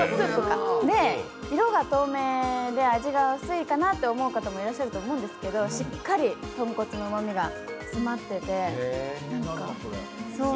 色が透明で味が薄いかなと思う方もいらっしゃると思うんですけどしっかり豚骨のうまみが詰まってて。